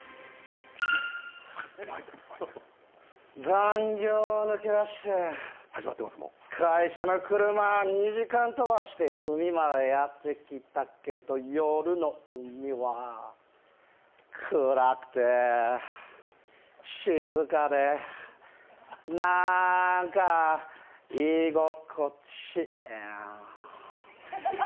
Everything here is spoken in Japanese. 残業抜け出して会社の車、２時間飛ばして海までやってきたけど夜の海は、暗くて静かでなんか、居心地ええ。